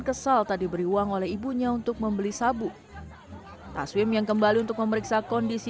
kesal tak diberi uang oleh ibunya untuk membeli sabu taswim yang kembali untuk memeriksa kondisi